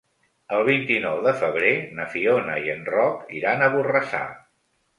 El vint-i-nou de febrer na Fiona i en Roc iran a Borrassà.